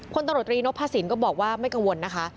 คนตำรวจตรีนพสินก็บอกว่าไม่กังวลนะคะ